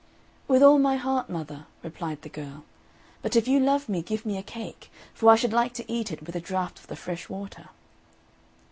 "With all my heart, mother," replied the girl, "but if you love me give me a cake, for I should like to eat it with a draught of the fresh water."